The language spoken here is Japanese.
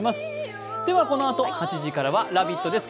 このあと８時からは「ラヴィット！」です。